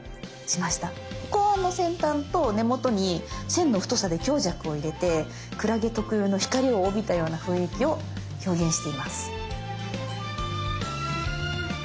先端と根元に線の太さで強弱を入れてクラゲ特有の光を帯びたような雰囲気を表現しています。